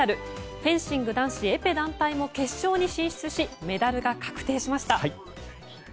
フェンシング男子エペ団体も決勝に進出しメダルが確定しました。